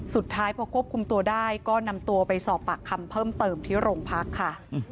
สุดท้ายพอควบคุมตัวได้ก็นำตัวไปสอบปากคำเพิ่มเติมที่โรงพักค่ะ